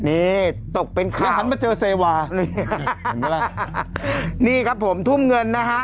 นี่ตกเป็นข่าวแล้วหันมาเจอเซวานี่ครับผมทุ่มเงินนะฮะ